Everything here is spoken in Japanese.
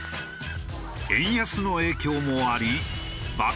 円安の影響もあり爆